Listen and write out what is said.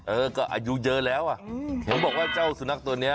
เออก็อายุเยอะแล้วอ่ะเห็นบอกว่าเจ้าสุนัขตัวนี้